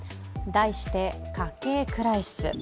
題して「家計クライシス」。